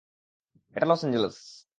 এটা Los Angeles!